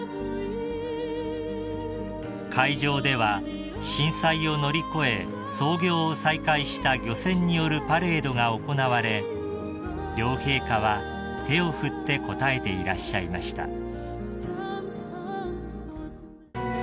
［海上では震災を乗り越え操業を再開した漁船によるパレードが行われ両陛下は手を振って応えていらっしゃいました］